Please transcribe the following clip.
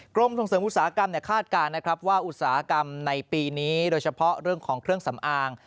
กรมส่งเสริมอุตสาหกรรมคาดการณ์นะครับว่าอุตสาหกรรมในปีนี้โดยเฉพาะเรื่องของเครื่องสำอาง